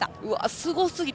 すごすぎて。